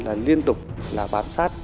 là liên tục là bám sát